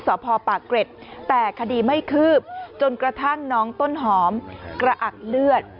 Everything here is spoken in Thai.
สพปากเกร็ดแต่คดีไม่คืบจนกระทั่งน้องต้นหอมกระอักเลือด